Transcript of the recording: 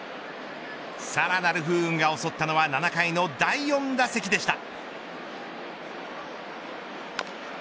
さらなる不運が襲ったのは７回の第４打席でした。